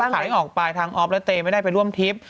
ขายออกไปทางออฟและเตไม่ได้ไปร่วมทริป